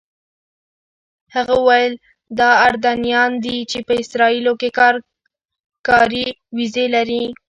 هغه وویل دا اردنیان دي چې په اسرائیلو کې کاري ویزې لري.